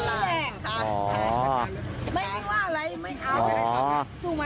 เรื่องของเรื่องตัวเองเอาเมา